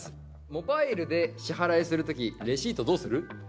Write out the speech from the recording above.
「モバイルで支払いするときレシートどうする？？」。